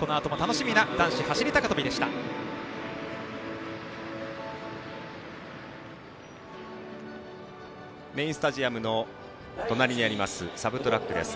このあとも楽しみなメインスタジアムの隣にあります、サブトラックです。